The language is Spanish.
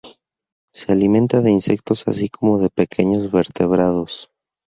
Se alimenta de insectos así como de pequeños vertebrados.